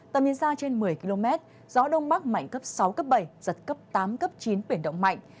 tầm nhìn xa trên một mươi km gió đông bắc mạnh cấp sáu cấp bảy giật cấp tám cấp chín biển động mạnh